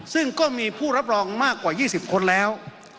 ซึ่งก็มีผู้รับรองมากกว่า๒๐คนแล้ว